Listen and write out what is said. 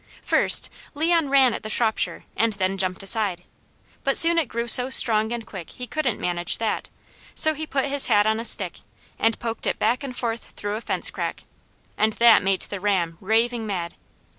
First, Leon ran at the Shropshire and then jumped aside; but soon it grew so strong and quick he couldn't manage that, so he put his hat on a stick and poked it back and forth through a fence crack, and that made the ram raving mad.